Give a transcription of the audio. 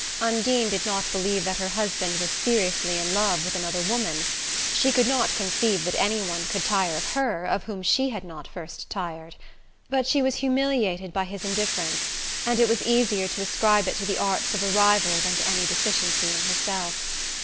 Undine did not believe that her husband was seriously in love with another woman she could not conceive that any one could tire of her of whom she had not first tired but she was humiliated by his indifference, and it was easier to ascribe it to the arts of a rival than to any deficiency in herself.